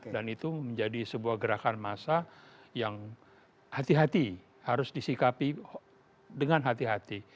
dan itu menjadi sebuah gerakan massa yang hati hati harus disikapi dengan hati hati